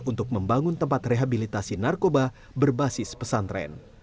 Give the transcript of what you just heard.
untuk membangun tempat rehabilitasi narkoba berbasis pesantren